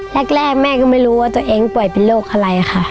แรกแม่ก็ไม่รู้ว่าตัวเองป่วยเป็นโรคอะไรค่ะ